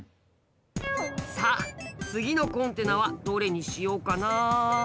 さあ次のコンテナはどれにしようかな。